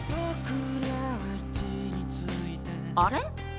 あれ？